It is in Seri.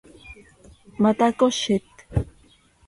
¿Ma tacozit?